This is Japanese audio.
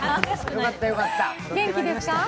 元気ですか？